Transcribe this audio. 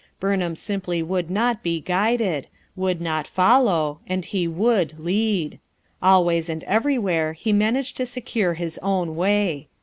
Burn hani simply would not be guided, would not follow, and he would lead. Always and every where he managed to secure his own way.